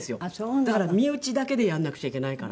だから身内だけでやんなくちゃいけないから。